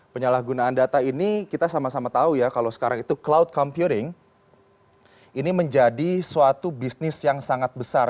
penyalahgunaan data ini kita sama sama tahu ya kalau sekarang itu cloud computing ini menjadi suatu bisnis yang sangat besar